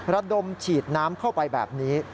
ระดมฉีดน้ำเข้าไปแบบนี้